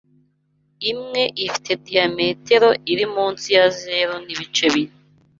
imwe ifite diyametero iri munsi ya zeru nibice bine